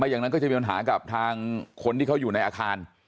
อย่างนั้นก็จะมีปัญหากับทางคนที่เขาอยู่ในอาคาร